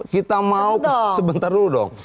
kita mau kita mau sebentar dulu dong